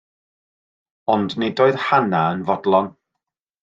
Ond nid oedd Hannah yn fodlon.